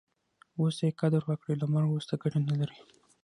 اوس ئې قدر وکړئ! له مرګ وروسته ګټه نه لري.